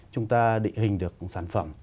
chúng ta định hình được sản phẩm